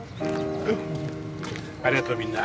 ありがとうみんな。